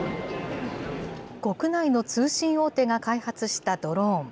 国内の通信大手が開発したドローン。